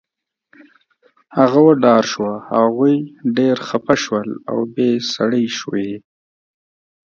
هغه وډار شو، هغوی ډېر خفه شول، اوبې سړې شوې